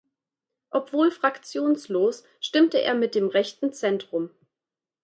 Obwohl fraktionslos, stimmte er mit dem Rechten Zentrum.